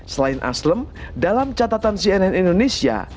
selain aslem dalam catatan cnn indonesia